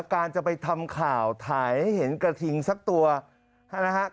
การจะไปทำข่าวถ่ายมันให้เห็นกระทิงสักตัวกราชิก